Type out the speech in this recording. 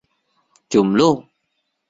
จุ่มลูก